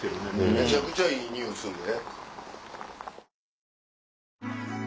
めちゃくちゃいい匂いするで。